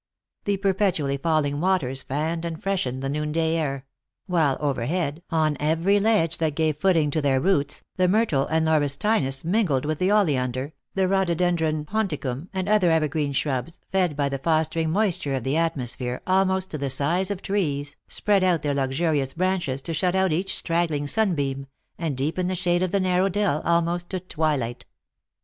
The perpetually falling waters fanned and freshen ed the noonday air ; while overhead, on every ledge that gave footing to their roots, the myrtle and lauris tinus, mingled with the oleander, the rhododendron ponticum, and other evergreen shrubs, fed by the fos tering moisture of the atmosphere, almost to the size of trees, spread out their luxurious branches to shut out each straggling sunbeam, and deepen the shade of the narrow dell almost to twilight.